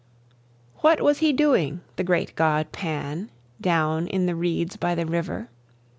What was he doing, the great god Pan, Down in the reeds by the river?